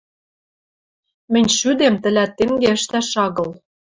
— Мӹнь шӱдем тӹлӓт тенге ӹштӓш агыл.